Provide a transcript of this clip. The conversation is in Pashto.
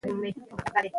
ټول د لوستلو ارزښت لري